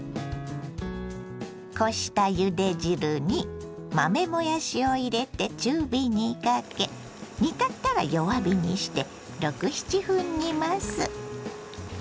こしたゆで汁に豆もやしを入れて中火にかけ煮立ったら弱火にして６７分煮ます。